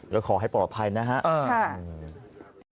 แล้วขอให้ปลอบภัยนะฮะค่ะอืมอืม